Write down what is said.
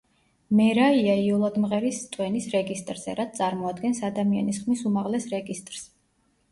მერაია იოლად მღერის სტვენის რეგისტრზე, რაც წარმოადგენს ადამიანის ხმის უმაღლეს რეგისტრს.